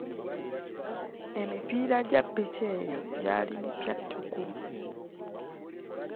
Emipiira gya ppiki eyo gyali mipya ttuku.